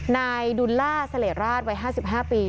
นายดุลล่าเสลดราชวัย๕๕ปี